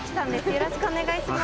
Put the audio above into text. よろしくお願いします。